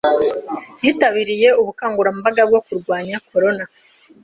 yitabiriye ubukangurambaga bwo kurwanya corona